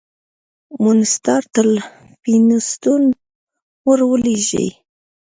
مونسټارټ الفینستون ور ولېږی.